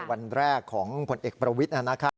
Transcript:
วันแรกของผลเอกประวิทย์